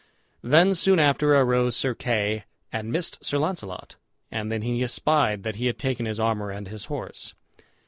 Then soon after arose Sir Kay, and missed Sir Launcelot. And then he espied that he had taken his armor and his horse.